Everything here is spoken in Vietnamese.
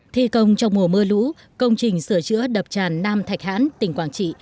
thi công trong mùa mưa lũ công trình sửa chữa đập tràn nam thạch hãn tỉnh quảng trị